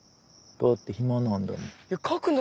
だって暇なんだもん。